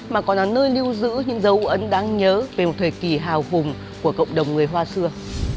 mà còn là nơi lưu giữ những dấu ấn đáng nhớ về một thời kỳ hào hùng của cộng đồng người hoa xưa